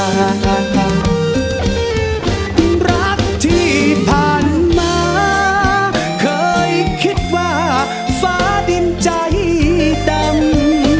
รักที่ผ่านมาเคยคิดว่าฟ้าดินใจดำ